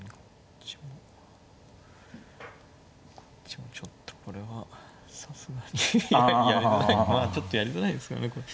こっちもちょっとこれはさすがにやりづらいかなちょっとやりづらいですかねこれ。